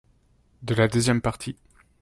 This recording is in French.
de la deuxième partie.